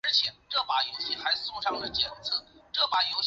因公平竞技奖而获得参赛资格。